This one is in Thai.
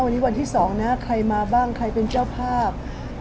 วันนี้วันที่๒นะใครมาบ้างใครเป็นเจ้าภาพ